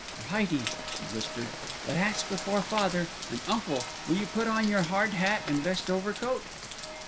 "Friday," she whispered; "but ask before father; and uncle, will you put on your hard hat and best overcoat?"